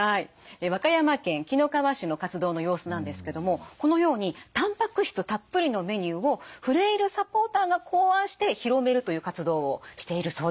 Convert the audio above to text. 和歌山県紀の川市の活動の様子なんですけどもこのようにたんぱく質たっぷりのメニューをフレイルサポーターが考案して広めるという活動をしているそうです。